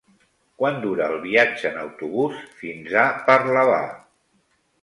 Quant dura el viatge en autobús fins a Parlavà?